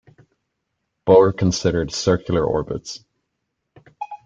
Bohr considered circular orbits.